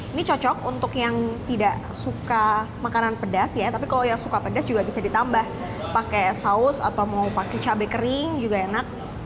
ini cocok untuk yang tidak suka makanan pedas ya tapi kalau yang suka pedas juga bisa ditambah pakai saus atau mau pakai cabai kering juga enak